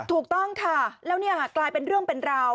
ถูกต้องค่ะแล้วเนี่ยกลายเป็นเรื่องเป็นราว